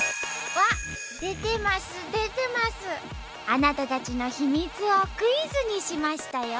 あなたたちの秘密をクイズにしましたよ。